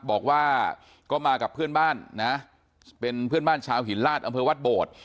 บอกว่าก็มากับเพื่อนบ้านนะเป็นเพื่อนบ้านชาวหินลาดอำเภอวัดโบด